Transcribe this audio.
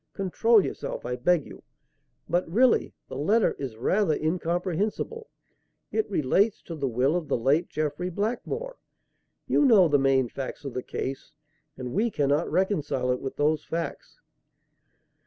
Control yourself, I beg you. But really, the letter is rather incomprehensible. It relates to the will of the late Jeffrey Blackmore you know the main facts of the case; and we cannot reconcile it with those facts."